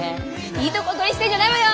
いいとこ取りしてんじゃないわよ！